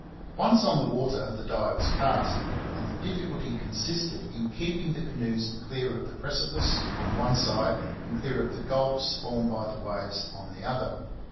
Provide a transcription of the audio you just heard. Once on the water, the die was cast; and the difficulty consisted in keeping the canoes clear of the precipice on one side and clear of the gulfs formed by the waves on the other.